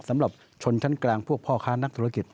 สำหรับชนชั้นกลางพวกพ่อค้านักธุรกิจ